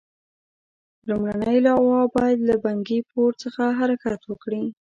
لومړنۍ لواء باید له بنکي پور څخه حرکت وکړي.